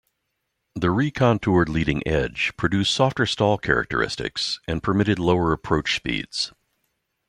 The recontoured leading edge produced softer stall characteristics and permitted lower approach speeds.